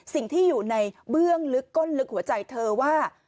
สิ่งที่อยู่ในเบื้องลึกก้นลึกหัวใจเธอว่า